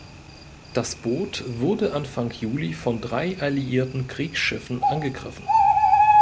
Das Boot wurde Anfang Juli von drei alliierten Kriegsschiffen angegriffen.